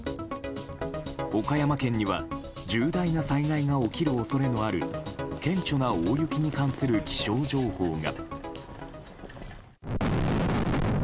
岡山県には重大な災害が起きる恐れのある顕著な大雪に関する気象情報が。